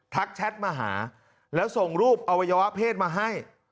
แชทมาหาแล้วส่งรูปอวัยวะเพศมาให้